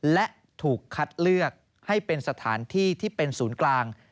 และถูกคัดเลือกให้เป็นสถานที่ที่เป็นศูนย์กลาง